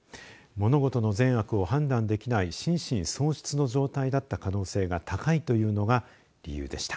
物事の善悪を判断できない心神喪失の状態だった可能性が高いというのが理由でした。